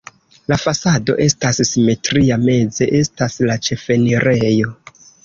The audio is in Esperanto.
La fasado estas simetria, meze estas la ĉefenirejo.